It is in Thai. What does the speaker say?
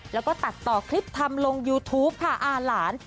แล้วก็ตัดต่อคลิปทำลงยูทูปค่ะอาหลาน